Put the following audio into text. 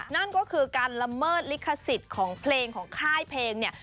นั่นก็คือการละเมิดลิขสิทธิ์ของเพลงของค่ายเพลงเนี่ย